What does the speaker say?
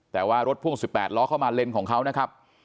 แต่ว่ารถพ่วง๑๘ล้อเข้ามาเลนของเขานะครับ